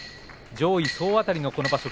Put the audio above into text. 上位総当たりのこの場所